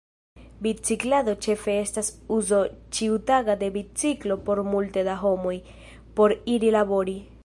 Biciklado ĉefe estas uzo ĉiutaga de biciklo por multe da homoj, por iri labori.